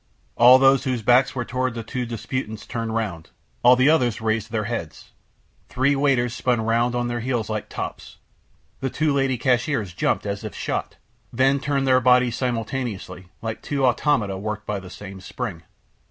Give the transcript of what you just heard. All those whose backs were toward the two disputants turned round; all the others raised their heads; three waiters spun round on their heels like tops; the two lady cashiers jumped, as if shot, then turned their bodies simultaneously, like two automata worked by the same spring.